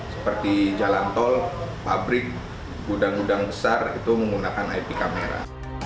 seperti jalan tol pabrik gudang gudang besar itu menggunakan ip kamera